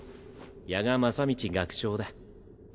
夜蛾正道学長だ。